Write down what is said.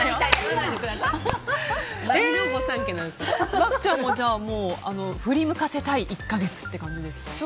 漠ちゃんも振り向かせたい１か月って感じですか。